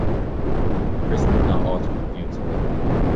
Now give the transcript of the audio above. Prison had not altered her views, however.